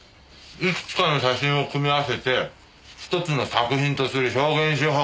いくつかの写真を組み合わせて１つの作品とする表現手法。